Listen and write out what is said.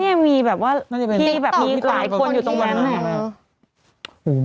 เนี่ยมีแบบว่าที่แบบมีหลายคนอยู่ตรงนั้นน่ะ